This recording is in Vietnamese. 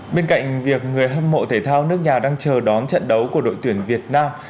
bên cạnh việc người hâm mộ thể thao nước nhà đang chờ đón trận đấu của đội tuyển việt nam